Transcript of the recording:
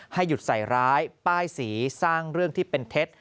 ให้หยุดใส่ร้ายป้ายสีสร้างเรื่องที่เป็นเท็จ